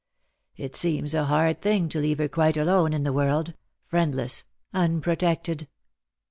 It seems a hard thing to leave her quite alone in the world — friendless, unpro tected."